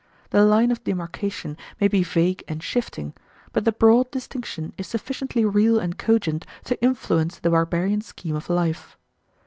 The line of demarcation may be vague and shifting, but the broad distinction is sufficiently real and cogent to influence the barbarian scheme of life.